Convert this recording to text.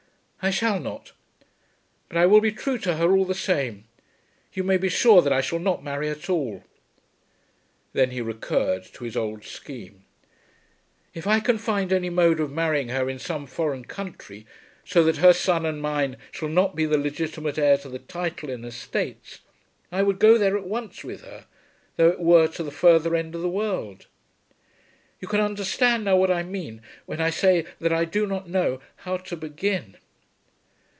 "I shall not. But I will be true to her all the same. You may be sure that I shall not marry at all." Then he recurred to his old scheme. "If I can find any mode of marrying her in some foreign country, so that her son and mine shall not be the legitimate heir to the title and estates, I would go there at once with her, though it were to the further end of the world. You can understand now what I mean when I say that I do not know how to begin."